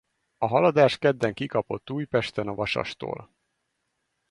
A Haladás kedden kikapott Újpesten a Vasastól.